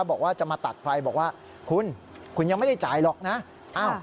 บอกว่าจะมาตัดไฟบอกว่าคุณคุณยังไม่ได้จ่ายหรอกนะ